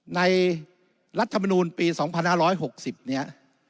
รัฐมนูลปี๒๕๖๐เนี่ย